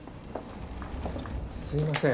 すいません